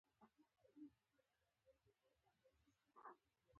که غرونه، ځمکه او اسمانونه پدې پوه شي له شرمه به ټوټه شي.